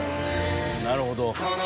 なるほど。